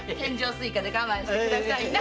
西瓜で我慢してくださいな！